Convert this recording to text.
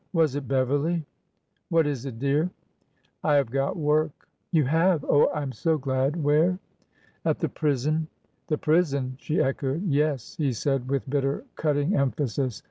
Was it Beverly? '' What is it, dear?" " I have got work." You have ! Oh, I am so glad ! Where? " At the prison !" The prison !" she echoed. Yes ;" he said with bitter, cutting emphasis.